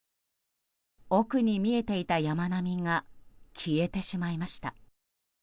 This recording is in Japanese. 奥に見えていた山並みが消えてしまいました。